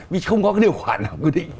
vì không có cái điều khoản nào quy định